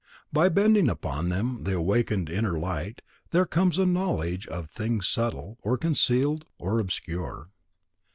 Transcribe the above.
By bending upon them the awakened inner light, there comes a knowledge of things subtle, or concealed, or obscure.